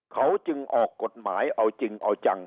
เขาจึงออกกฎหมายเอาจริงเอาจัง